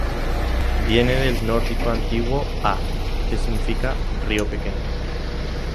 Viene del nórdico antiguo "á", que significa "río pequeño"